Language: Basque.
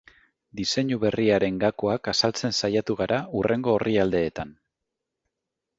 Diseinu berriaren gakoak azaltzen saiatu gara hurrengo orrialdeetan.